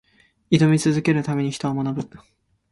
挑み続けるために、人は学ぶ。